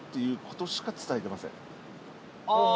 ああ。